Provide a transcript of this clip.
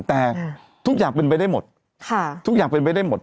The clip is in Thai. แต่ทุกอย่างเป็นไปได้หมด